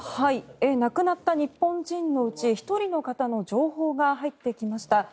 亡くなった日本人のうち１人の方の情報が入ってきました。